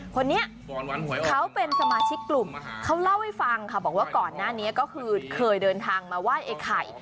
คนนี้เขาเป็นสมาชิกกลุ่มเขาเล่าให้ฟังค่ะบอกว่าก่อนหน้านี้ก็คือเคยเดินทางมาไหว้ไอ้ไข่